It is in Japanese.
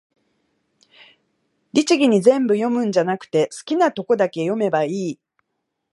律儀に全部読むんじゃなくて、好きなとこだけ読めばいい